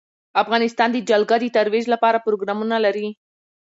افغانستان د جلګه د ترویج لپاره پروګرامونه لري.